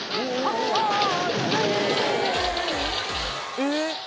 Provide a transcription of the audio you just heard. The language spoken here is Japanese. えっ！？